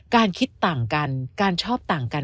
คิดต่างกันการชอบต่างกัน